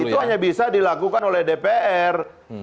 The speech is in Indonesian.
itu hanya bisa dilakukan oleh dpr